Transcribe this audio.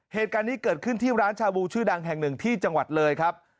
เหตุการณ์นี้เกิดขึ้นที่ร้านชาบูชื่อดังแห่งหนึ่งที่จังหวัดเลยครับ